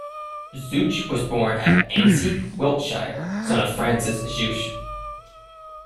Zouch was born at Ansty, Wiltshire, son of Francis Zouche.